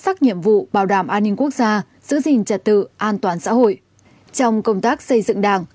sắc nhiệm vụ bảo đảm an ninh quốc gia giữ gìn trật tự an toàn xã hội trong công tác xây dựng đảng